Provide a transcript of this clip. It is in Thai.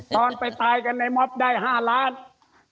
ตอนไปตายกันในม็อบได้๕ล้าน